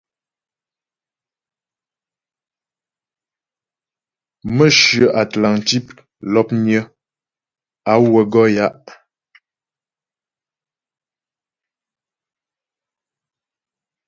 Mə̌hyə Atlantik l̀opnyə á wə́ gɔ ya'.